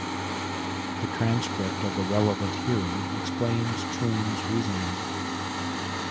The transcript of the relevant hearing explains Troon's reasoning.